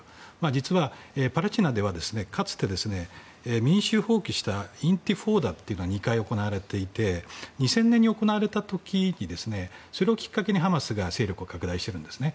実はパレスチナではかつて、民衆を放棄したインティファーダというのが２回行われていて２０００年に行われた時にそれをきっかけにハマスが勢力を拡大しているんですね。